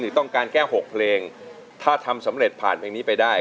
ต้องการแค่๖เพลงถ้าทำสำเร็จผ่านเพลงนี้ไปได้